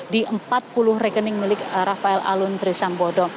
di empat puluh rekening milik rafael alun trisambodo